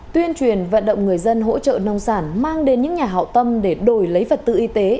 tuyên truyền vận động người dân hỗ trợ nông sản mang đến những nhà hậu tâm để đổi lấy vật tư y tế